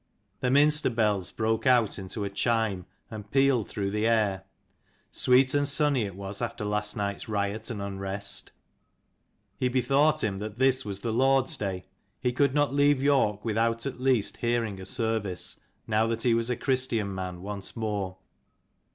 The Minster bells broke out into a chime, and pealed through the air. Sweet and sunny it was after last night's riot and unrest. He bethought him that this was the Lord's day ; he could not leave York without at least hearing a service, now that he was a Christian man once more.